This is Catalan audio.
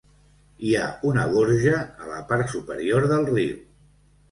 Hi ha una gorja a la part superior del riu.